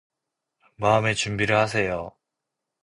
마음의 준비를 하세요.